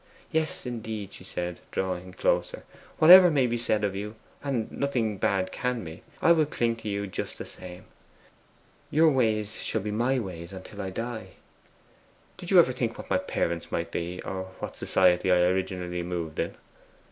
Yes, indeed,' she said, drawing closer, 'whatever may be said of you and nothing bad can be I will cling to you just the same. Your ways shall be my ways until I die.' 'Did you ever think what my parents might be, or what society I originally moved in?